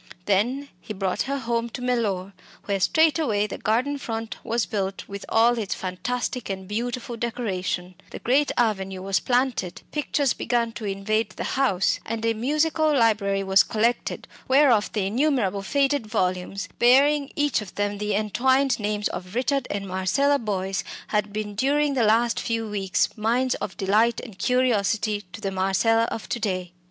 Then he brought her home to Mellor, where straightway the garden front was built with all its fantastic and beautiful decoration, the great avenue was planted, pictures began to invade the house, and a musical library was collected whereof the innumerable faded volumes, bearing each of them the entwined names of Richard and Marcella Boyce, had been during the last few weeks mines of delight and curiosity to the Marcella of to day.